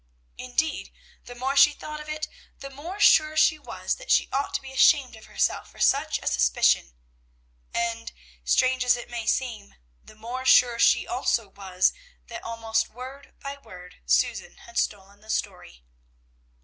Indeed, the more she thought of it, the more sure she was that she ought to be ashamed of herself for such a suspicion, and, strange as it may seem, the more sure she also was, that almost word by word Susan had stolen the story.